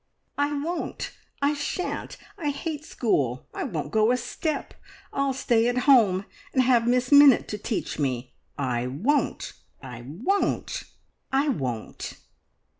"I won't! I shan't! I hate school! I won't go a step! I'll stay at home and have Miss Minnitt to teach me! I won't! I won't! I won't!"